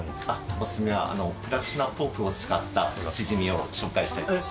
お勧めは、プラチナポークを使ったチヂミを紹介したいと思います。